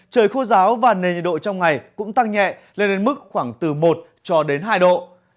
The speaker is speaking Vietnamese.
trời khô giáo và nền nhiệt độ trong ngày cũng tăng nhẹ lên đến mức khoảng từ một cho đến hai độ